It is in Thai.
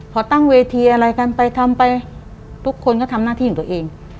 พอตั้งเวทีอะไรกันไปทำไปทุกคนก็ทำหน้าที่ของตัวเอง